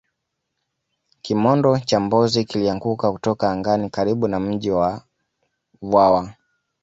kimondo cha mbozi kilianguka kutoka angani karibu na mji wa vwawa